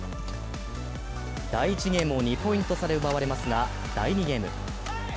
第１ゲームを２ポイント差で奪われますが、第２ゲーム。